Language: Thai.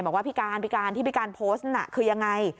บอกว่าพี่การพี่การที่พี่การโพสต์นั่นน่ะคือยังไง